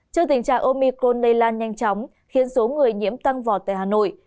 trước tình trạng omicron lây lan nhanh chóng khiến số người nhiễm tăng vọt tại hà nội